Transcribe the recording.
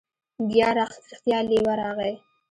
بیا رښتیا لیوه راغی.